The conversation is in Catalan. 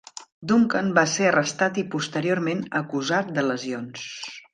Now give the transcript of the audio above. Duncan va ser arrestat i posteriorment acusat de lesions.